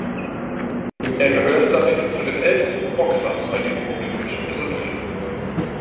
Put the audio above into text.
Er gehört damit zu den ältesten Boxern bei diesem olympischen Turnier.